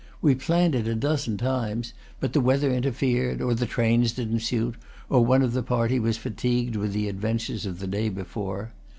We planned it a dozen times; but the weather interfered, or the trains didn't suit, or one of the party was fatigued with the adventures of'the day before.